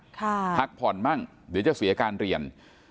พักผ่อนมั่งเดี๋ยวจะเสียการเรียน